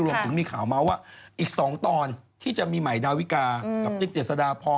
รวมถึงมีข่าวมาว่าอีกสองตอนที่จะมีไหมนะวิกากับเจ็ดเจษาดารพร